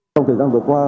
trong thời gian vừa qua